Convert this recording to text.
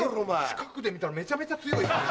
近くで見たらめちゃめちゃ強いっすね。